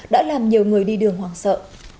đã làm nhiều người đi đường hoang sợ